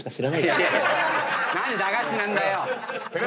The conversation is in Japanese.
何で駄菓子なんだよ！